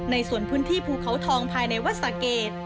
ในส่วนพื้นที่ภูเขาทองภายในวัดสะเกด